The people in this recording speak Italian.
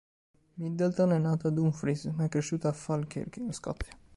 Middleton è nato a Dumfries, ma è cresciuto a Falkirk, Scozia.